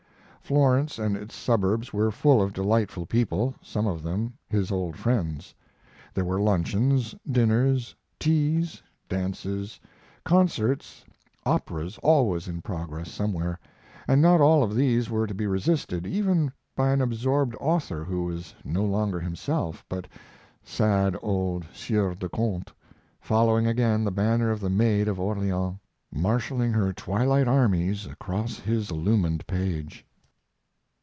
Florence and its suburbs were full of delightful people some of them his old friends. There were luncheons, dinners, teas, dances, concerts, operas always in progress somewhere, and not all of these were to be resisted even by an absorbed author who was no longer himself, but sad old Sieur de Conte, following again the banner of the Maid of Orleans, marshaling her twilight armies across his illumined page.